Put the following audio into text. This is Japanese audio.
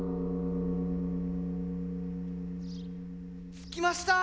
着きました！